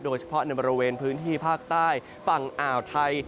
โดยเฉพาะในบริเวณพื้นที่ภาคใต้ฝั่งอ่าวไทย